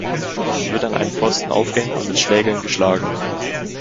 Sie wird an einem Pfosten aufgehängt und mit Schlägeln geschlagen.